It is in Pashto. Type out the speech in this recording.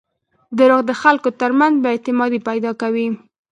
• دروغ د خلکو ترمنځ بېاعتمادي پیدا کوي.